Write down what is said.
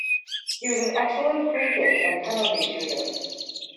He was an excellent free kick and penalty shooter.